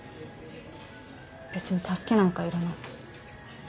別に助けなんかいらない